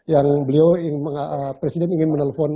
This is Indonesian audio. yang beliau presiden ingin menelpon